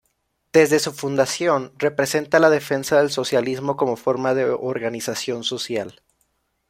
Desde su fundación, representa la defensa del socialismo como forma de organización social.